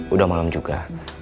udah malem juga